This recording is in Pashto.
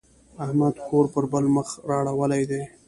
احمد کور پر بل مخ را اړولی دی.